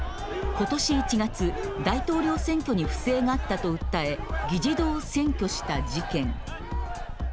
ことし１月大統領選挙に不正があったと訴え議事堂を占拠した事件。